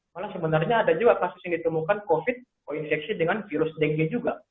malah sebenarnya ada juga kasus yang ditemukan covid koinfeksi dengan virus dengue juga